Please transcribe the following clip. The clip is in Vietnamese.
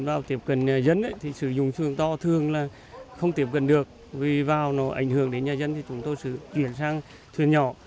vì không tiếp cận được vì vào nó ảnh hưởng đến nhà dân thì chúng tôi sẽ chuyển sang thuyền nhỏ